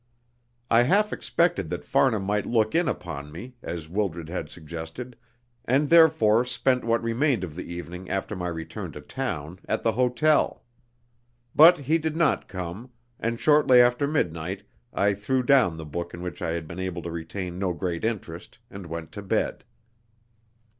I half expected that Farnham might look in upon me, as Wildred had suggested, and therefore spent what remained of the evening after my return to town at the hotel. But he did not come, and shortly after midnight I threw down the book in which I had been able to retain no great interest, and went to bed.